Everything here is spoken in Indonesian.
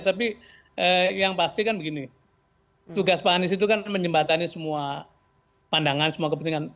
tapi yang pasti kan begini tugas pak anies itu kan menjembatani semua pandangan semua kepentingan